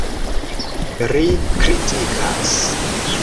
Ri kritikas.